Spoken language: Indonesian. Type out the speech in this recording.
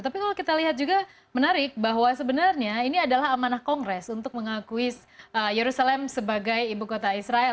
tapi kalau kita lihat juga menarik bahwa sebenarnya ini adalah amanah kongres untuk mengakui yerusalem sebagai ibu kota israel